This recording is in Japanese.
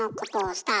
スター。